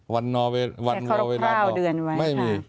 แค่เคราะห์พราวเดือนไว้